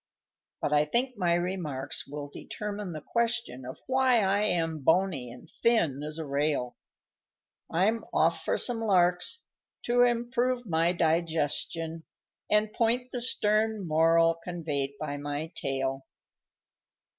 _ _But I think my remarks will determine the question, Of why I am bony and thin as a rail; I'm off for some larks, to improve my digestion, And point the stern moral conveyed by my tail.